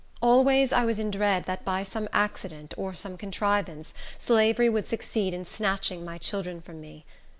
Always I was in dread that by some accident, or some contrivance, slavery would succeed in snatching my children from me.